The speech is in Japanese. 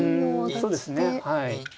うんそうですねはい。